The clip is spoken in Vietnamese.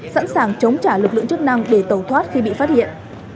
sẵn sàng chống trả lực lượng chức năng để tẩu thoát khi bị phát hiện